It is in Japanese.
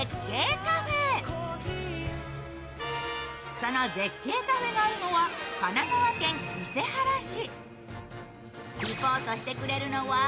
その絶景カフェがあるのは神奈川県伊勢原市。